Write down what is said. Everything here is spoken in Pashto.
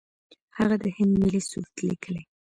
هغه د هند ملي سرود لیکلی.